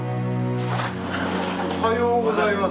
おはようございます。